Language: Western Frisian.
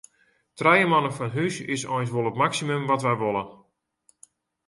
Trije moanne fan hús is eins wol it maksimum wat wy wolle.